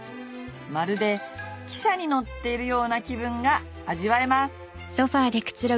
まるで汽車に乗っているような気分が味わえます